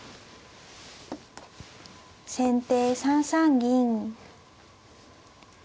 先手３三銀。